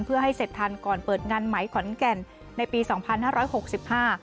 เพื่อให้เสร็จทันก่อนเปิดงานไหมขอนแก่นในปีสองพันห้าร้อยหกสิบห้า